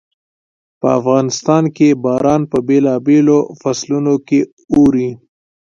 په افغانستان کې باران په بېلابېلو فصلونو کې اوري.